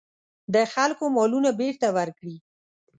د خلکو مالونه بېرته ورکړي.